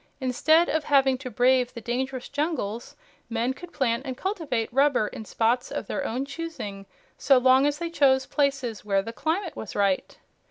Instead of having to brave the dangerous jungles, men could plant and cultivate rubber in spots of their own choosing so long as they chose places where the climate was right."